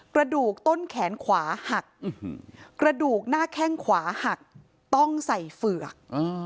กระดูกต้นแขนขวาหักกระดูกหน้าแข้งขวาหักต้องใส่เฝือก